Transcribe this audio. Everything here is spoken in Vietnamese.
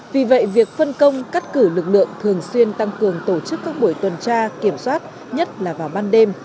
vì vậy việc phân công cắt cử lực lượng thường xuyên tăng cường tổ chức các buổi tuần tra kiểm soát nhất là vào ban đêm